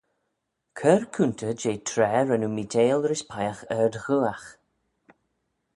Cur coontey jeh traa ren oo meeiteil rish peiagh ard-ghooagh.